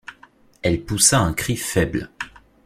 Elle poussa un cri faible.